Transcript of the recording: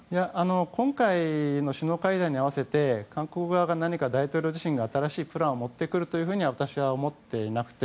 今回の首脳会談に合わせて韓国側が何か、大統領自身が新しいプランを持ってくるというふうには私は思っていなくて。